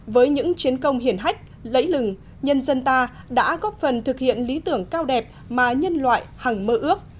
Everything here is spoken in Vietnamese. với những chiến công hiển hách lẫy lừng nhân dân ta đã góp phần thực hiện lý tưởng cao đẹp mà nhân loại hằng mơ ước